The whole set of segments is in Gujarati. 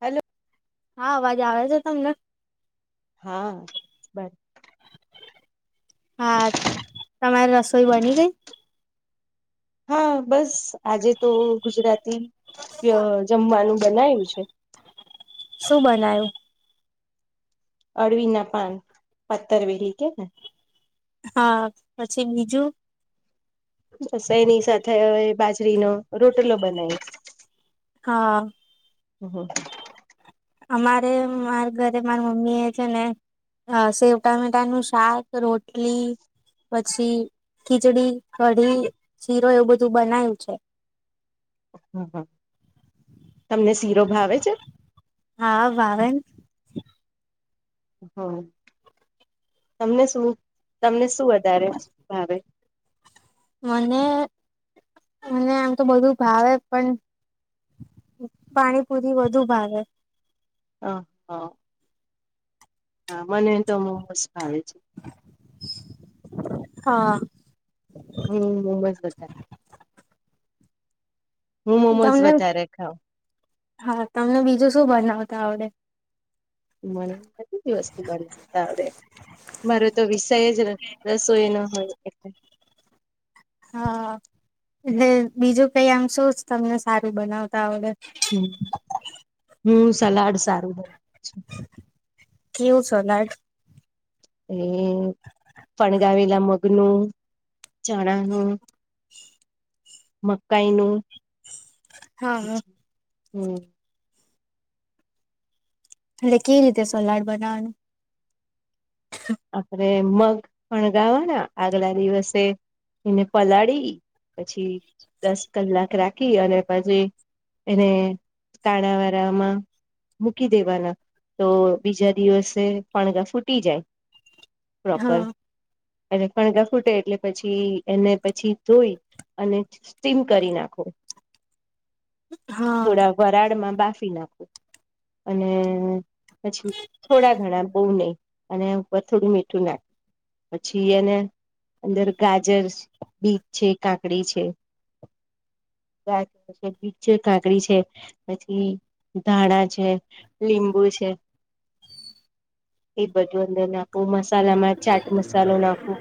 હેલો હા અવાજ આવે છે. [unintelligible] હા બ. હા તમારી રસોઈ બની ગઈ. હા બસ. આજે તો ગુજરાતી જમવાનું બનાયું છે. શું બનાયું અળવી ના પાન, પથર વરી કે ને. હા પછી બીજું. બસ એની સાથે હવે બાજરીનો રોટલો બનાય. હા. ઓહો. અમારે મારા ઘરે માર મમ્મી એ છે. ને સેવ ટામેટા નું શાક રોટલી પછી ખીચડી કઢી શીરો એવું બધું બનાવું છે. હમ હમ. તમને શીરો ભાવે છે. હા ભાવે ને હમ તમને શું તમને શું વધારે ભાવે. મને મને આમ તો બધું ભાવે, પણ પાણીપુરી વધુ ભાવે. હ હા. હા મને તો મોસ્ટ. હાાય છે. હા હમ્મ મોમ જ બધા હું મોમોઝ તમને વધારે ખાઉં હા તમને બીજું શું બનાવતા આવડે મને તો બધી વસ્તુ બનાતાડે મારો તો વિષય જ રસોઈ ન હોય એટલે હા એટલે બીજું કઈ આમ શું જ તમને સારું બનાવતા આવડે હ હું સલાડ સારું બનાવું છું કેવું સલાડ એ ફણગાવેલા મગનું ચણાનું મકાઈ નું હા હમ્મ એટલે કે રીતે સોલાડ બનાવાનું આપણે મગ ફણગાવાના આગલા દિવસે એને પલાળી પછી દસ કલાક રાખી અને પછી એને કાણાવારાામાં મૂકી દેવાના તો બીજા દિવસે ફણગા ફૂટી જાય પ્રોપર હા એટલે કણગા ફૂટે એટલે પછી એને પછી ધોઈ અને સ્ટીમ કરી નાખો હા થોડા વરાળમાં બાફી નાખું અને પછી થોડા ઘણા બહુ નહી અને વથોડું મીઠું નાખ્યું પછી એને અંદર ગાજર બીજ છે કાકડી છે ગાજર છે બીજ છે કાકડી છે પછી ધાણા છે લીંબુ છે એ બધું અંદર નાખ ઓ મસ્ મસાલામાં ચાટ મસાલો નાખો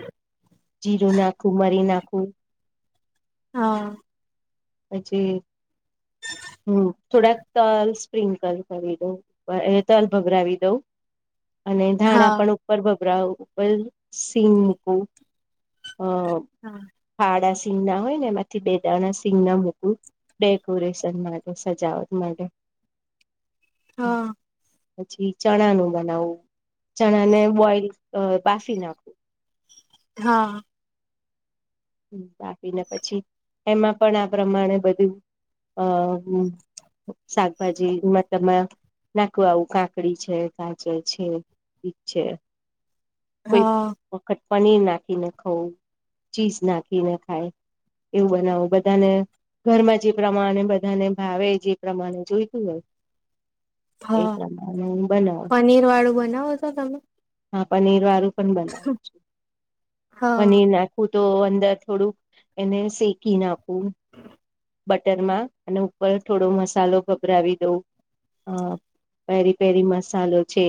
જીરું નાખવું મરી નાખું [unintelligible] હા પછી હમ્મ થોડાક તલ સ્પ્રિન્કલ કરી દઉં અ તલ ભભરાવી દઉં અને ધાણા હા પણ ઉપર ભભરાવું ઉપપલ સીંગ મુકું અ હા ફાડશ સીગ ના હોય ને એમાંથી બે દાણા સી સિગ ના મૂકું ડેકોરેશન માટે સજાવટ માટે હમ્મ હા પછી ચણા નું બનાવું ચણા ને બોઈલ અ બાફી નાખું હા હ તાપીને પછી એમાં પણ આ પ્રમાણે બધું અ શાકભાજીમાં ત નાખવા આવું કાકડી છે ગાજર છે બીજ છે કોઈક હા વખત પનીર નાખીને ખઉું ચીઝ નાખીને ખાય એવું બનાવું બધાને ઘરમાં જે પ્રમાણે બધાને ભાવે જે પ્રમાણે જોઈતું હોય એ હા પ્રમાણે હું બનાવું પનીર વાળું બનાવો છો તમે હા પનીર રું બ હા મ નાખ તો અંદર થોડુંક એને શેકી નાખવું, બટરમાં અને ઉપર થોડો મસાલો ગભરાવી દઉં અ પહેરી પહેરી મસાલો છે,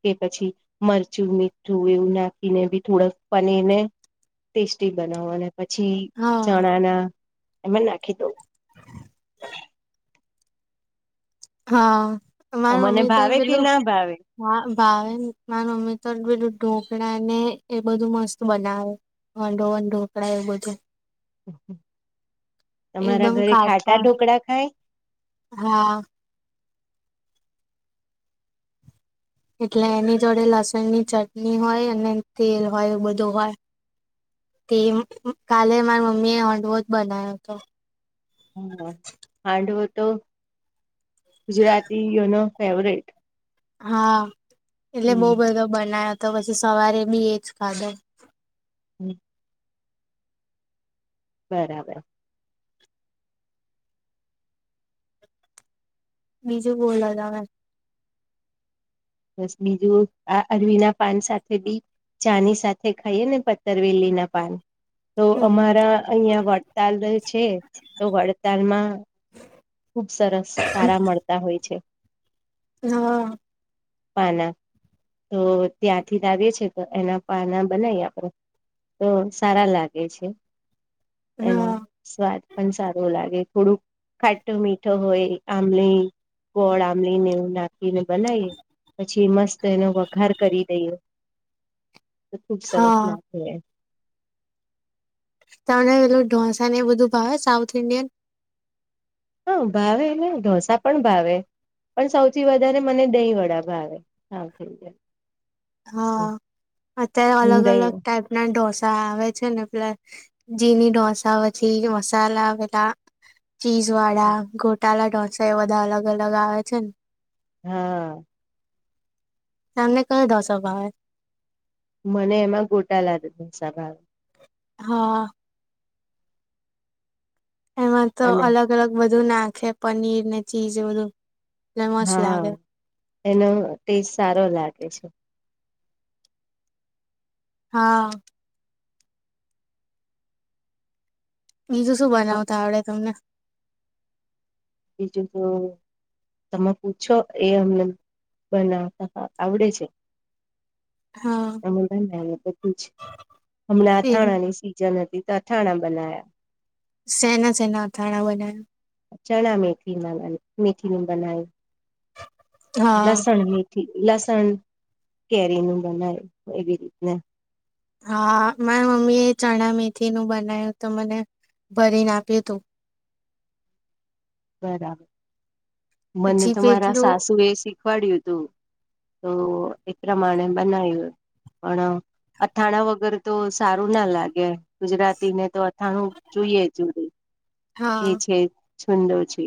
કે પછી મરચું મીઠું એવું નાખીને બી થોડોક ફને ને ટેસ્ટી બનાવવા. પછી હા ચણા ના એમ રાખી તોું હ હા, માર તમને મમ્મી તો ભાવે કે પેલું ના ભાવે હા ભાવ માર મમ્મી તો પેલું ઢોકળા ને એ બધું મસ્ત બનાવે વનોવન ઢોકળા એ બધું. હમ્મ તમારા ઘરે ખાટા ઢોકળા ખાય? હા એટલે એની જોડે લસણ ની ચટણી હોય અને તેલ હોય બધું હોય, તે કાલે મારા મમ્મી એ હંડવો જ બનાવ્યો હતો. હમ્મ હાંડવો તો ગુજરાતી યુનો ફેવરિટ હા, એટલે બઉ બધો બનાયો તો પછી સવારે મી એ ખાધો. હમ્મ બરાબર ીજું બોલા દ મે બસ બીજું આ અરવીના પાન સાથે બી ચાની સાથે ખાઈએ, ને પતરવેલી ના પાન તો અમારા અહિયાં વડતાલ છે, તો વડતાલમાં ખુબ સરસ તારા મળતા હોય, છે. હા, પાના તો ત્યાંથી લાવએ છે, તો એના પાના બનાય આપડે તો સારા લાગે છે. એનો હા સ્વાદ પણ સારો લાગે, થોડુંક ખા મો મીઠો હોય આંબલી ગોળ આંબલીને એવું નાખીને બનાવીએ પછી મસ્ત એનો વઘાર કરી દઈએ. તો ખુબ સરસ હા લટ તમને પેલું ઢોસા ને એ બધું ભાવે સાઉથ ઇન્ડિયન? હા, ભાવે એલે ઢોસા પણ ભાવે પણ સૌથી વધારે મને દહીં વડા ભાવે સાઉથ ઇન્ડ હા, અત્યારે હું અલગ દહી અલગ ટાઈપ ના ડોસ આવે છે, ને પ્લસ જીની ઢોસા પછી મસાલા આવેલા ચીઝવાડા ઘોટાલાા ઢોસા એ બધા અલગ અલગ આવે છે ને હા એમને કયો દ સ્ભાવ મને એમાં ગોટા લદેસા ભાવ હા એમાં તો અને અલગ અલગ બધા બધું નાખે પનીર ને ચીજ બધું એટલે મસ્ત હા લાગે એનો ટેસ્ટ સારો લાગે છે હા બીજું શું બનાવતા આવડે તમને બીજું તો તમે પૂછો એ અમને બનાવતા આવડે છે હા હમ બધું જ હમણાં એ અથાણાની સીઝન હતી ત અથણા બનાયા સેના સેના અથાણા બનાયા ચણા મેથીમાં મેથીબનાાય હા લસણ હ લસણ કેરી નું બનાવ એવી રીતના હા મારા મમ્મી એ ચણા મેથી નું બનાવ્યું તો મને ભરીને આપ્યું તું બરાબર મને પછી તો મારા પેટલું સાસુ એ શીખ શખવાડય્યું તું તો એ પ્રમાણે બનાવ્યું પણ અથાણા વગર તો સારું ના લાગે ગુજરાતીને તો અથાણું જોઈએ જ એ હા છે છંદો છે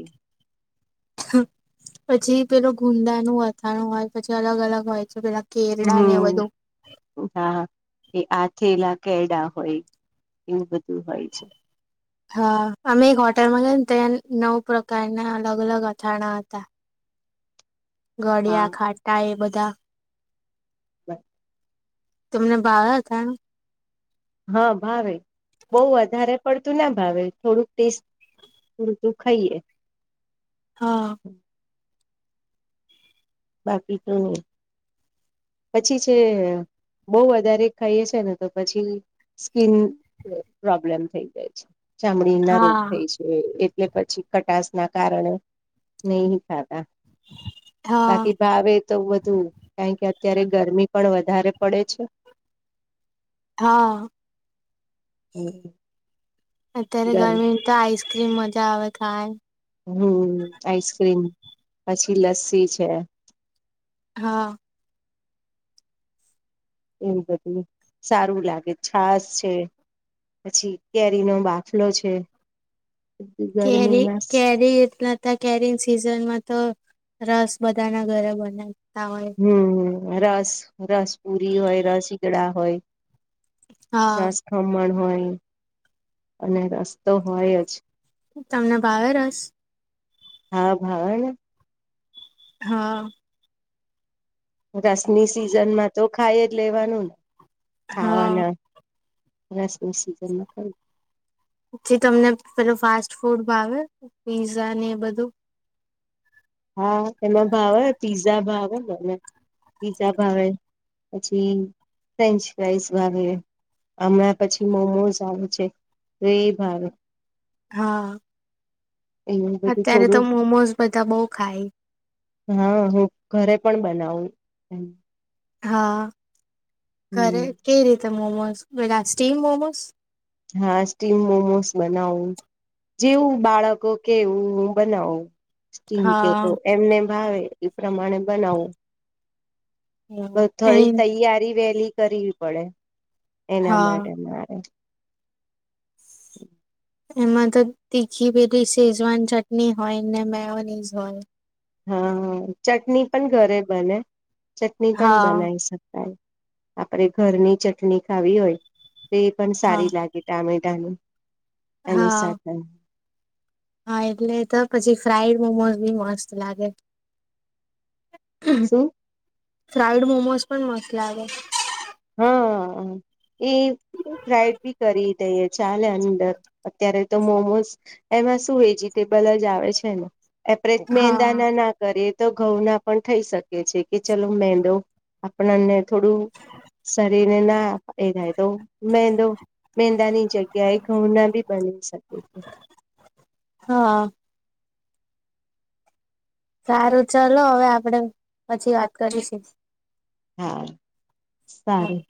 પછી પેલો ગુંદા નું અથાણું હોય પછી અલગ અલગ હોય છે પેલા કેરડા ને એ બધું હમ હા તે આ થેલા કેડા હોય એવું બધું હોય છે હા અમે એક હોટેલમાં ગ ને ત્યાં નવ પ્રકારના અલગ અલગ અથાણા હતા ગળિયા હા ખાટા એ બધા તા [inaudible] તમને બાવ હતા હા ભાવેહુ બહુ વધારે પડતું ના ભાવે થોડુંક ટેસ્ટ પડતું ખાઈએ હા બાકી તો નહી પછી છે બહ વધારે ખાઈએ છે ને તો પછી સ્કીિન પ્રોબ્લેમ થઈ જાય છે ચામડી ના રોગ હા થાય છે કે પછી ખટાશ ના કારણે નહી ખાતા [inaudible] બાકી ભાવે તો વધુ. કારણ કે અત્યારે ગરમી પણ વધારે પડે છે. હા હમ અત્યારે ગરમી તો કે મજા આવે ખાવાની. હમ. આઈસક્રીમ, પછી લસ્સી છે. હા એવુ બધું સારું લાગે છાશ છે, પછી કેરીનો બાફલો છે. કેરી, ગરમીમાં કેરી એટલ તો કેરી ન સીઝનમાં તો રસ બધાના ઘરે બના હમ, રસ રસપુરી હોય, રસઈગડા હોય હા. રસ-ખમણ હોય અને રસ્તો હોય જ. તમને ભાવે રસ? હા ભાવને. હઅ રસની સિઝનમાં તો ખાય જ લેવાનું ન. હા ખાવાના રસનું સીઝનમાં ખઉ. જે તમને પેલું ફાસ્ટ ફૂડ ભાવે પીઝાને એ બધું. હા. એમાં ભાવ પીઝા ભાવ મન. પીઝા ભાવે પછી ફ્રેન્ચ ફાઈઝ ભાવે હમણાં પછી મોમોઝ ભાવે છે. તો એ ભાવે. હા એવું બધું અત્યારે થોડું. તો મોમોઝ બધા બહુ ખાય. હન હું ઘરે પણ બનાવું. [unintelligible] હા ઘરે હમ કેરી મોમોસ બધા સ્ટીમ મોમોસ હા, સ્ટીમ મોમોસ બનાવું. જેવું બાળકો કે એવુ હુ બનાવું. સ્ટીમ કે તો હા. એમ નેમ ભાવે એ પ્રમાણે બનાવુ. બ એ થોડી તૈયારી વહેલી કરવી પડે એના હા. માટે મારે. [inaudible] એમા તો તીખી પેલી શેઝવાન ચટની હોય ને મેયોનીઝ હોય. હા હા ચટની પણ ઘરે બને. ચટની પન હા બનાઈ શકાય. આપણે ઘરની ચટણી ખાવી હોય તે પણ હા. સારી લાગે ટામે ટાનુ. એની હા સાથે. હા એટલે તો પછી ફ્રાઇડ મોમોઝ બી મસ્ત લાગે. શું. ફ્રાઇડ મોમોઝ પણ મસ્ત લાગે. હા એ. ફ્રઇડ બી કરી દઇએ ચાલે અંદર અત્યારે તો મોમોસ એમા શું વેજીિટેબલ જ આવે છે ને એપરેજ હા. મેંદાના ના કરે તો ઘઉં ના પણ થઈ શકે. છે કે ચાલો મેંદો આપણા ને થોડું. રીનેના એ થાય. તો મેંદો મેંદાની જગ્યાએ ઘઉંના બી બની શકે છે. હા સારું ચલો હવે આપણે પછી વાત કરીશું. હા હા. સારૂ.